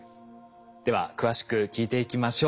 では詳しく聞いていきましょう。